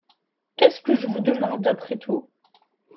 Qu’est-ce que je vous demande après tout ?